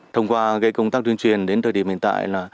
thông qua công tác tuyên truyền đến thời điểm hiện tại